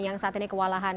yang saat ini kewalahan